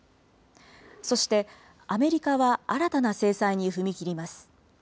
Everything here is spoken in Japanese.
そして、アメリカは新たな制裁に踏み切ります。